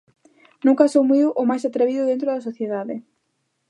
Nunca asumiu o máis atrevido dentro da sociedade.